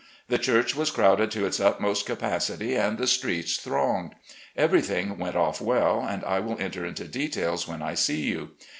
The church was crowded to its utmost capacity, and the streets thronged. Every thing went off well, and I will enter into details when I see you.